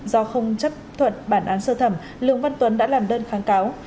do không chấp thuận bản án sơ thẩm lường văn tuấn đã làm đơn kháng cáo